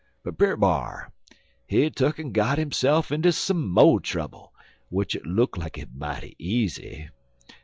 But Brer B'ar, he tuck'n got hisse'f inter some mo' trubble, w'ich it look like it mighty easy.